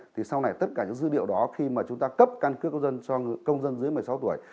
thì sau này tất cả những dữ liệu đó khi mà chúng ta cấp căn cước công dân cho công dân dưới một mươi sáu tuổi